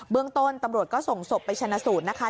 เรื่องต้นตำรวจก็ส่งศพไปชนะสูตรนะคะ